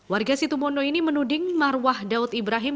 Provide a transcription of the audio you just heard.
warga situbondo ini menuding marwah daud ibrahim